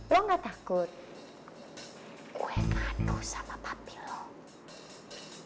lo gak takut gue gaduh sama papi loh